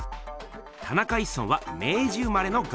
田中一村は明治生まれの画家。